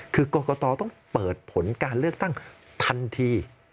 คือกรกตต้องเปิดผลการเลือกตั้งทันที